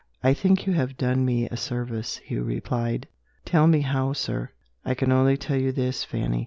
"I think you have done me a service," Hugh replied. "Tell me how, sir." "I can only tell you this, Fanny.